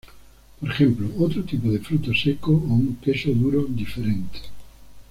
Por ejemplo, otro tipo de fruto seco o un queso duro diferente.